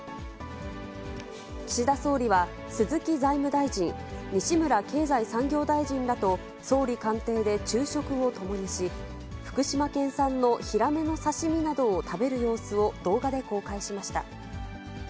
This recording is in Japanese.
岸田総理は鈴木財務大臣、西村経済産業大臣らと総理官邸で昼食を共にし、福島県産のヒラメの刺身などを食べる様子を動画で公開しました。